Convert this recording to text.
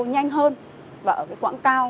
nhanh hơn và ở cái quảng cao